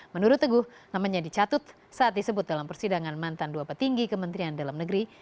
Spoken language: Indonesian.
menurut teguh namanya dicatut saat disebut dalam persidangan mantan dua petinggi kementerian dalam negeri